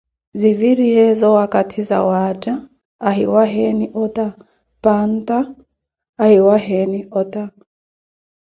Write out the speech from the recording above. Ziviriyeeyo wakathi wawaatta ahiwaheeni otta, panta ahiwayeni ota.